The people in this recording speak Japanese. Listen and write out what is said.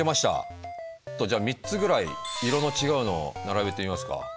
あとじゃあ３つぐらい色の違うのを並べてみますか。